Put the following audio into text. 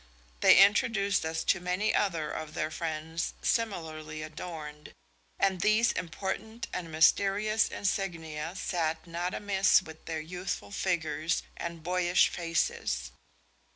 They introduced us to many other of their friends similarly adorned, and these important and mysterious insignia sat not amiss with their youthful figures and boyish faces.